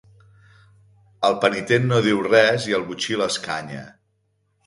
El penitent no diu res i el botxí l'escanya.